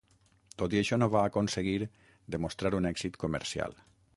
Tot i això, no va aconseguir demostrar un èxit comercial.